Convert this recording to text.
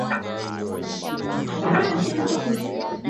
hadi kuja kwa Waarabu katikati ya karne ya saba Utawala wa Roma